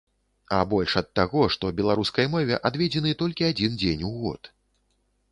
А больш ад таго, што беларускай мове адведзены толькі адзін дзень у год.